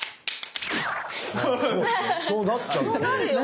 そうなっちゃうよ。